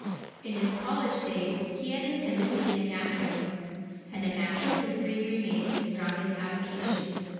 In his college days, he had intended to be a naturalist, and natural history remained his strongest avocation.